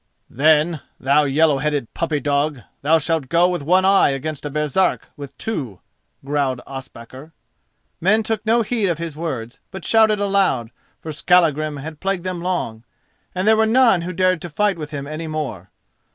"Then, thou yellow headed puppy dog, thou shalt go with one eye against a Baresark with two," growled Ospakar. Men took no heed of his words, but shouted aloud, for Skallagrim had plagued them long, and there were none who dared to fight with him any more.